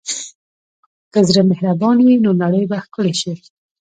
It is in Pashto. که زړه مهربان وي، نو نړۍ به ښکلې شي.